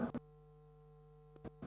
pihak yang di pr